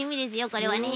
これはね。